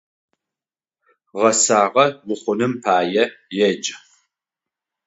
Гъэсагъэ ухъуным пае едж!